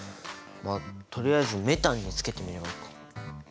まあとりあえずメタンにつけてみればいいか。